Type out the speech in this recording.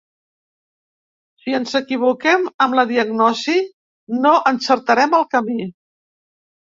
Si ens equivoquem amb la diagnosi no encertarem el camí.